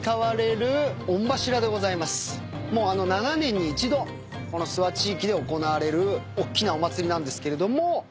もうあの７年に一度この諏訪地域で行われるおっきなお祭りなんですけれども。